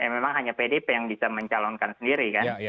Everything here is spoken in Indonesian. memang hanya pdip yang bisa mencalonkan sendiri kan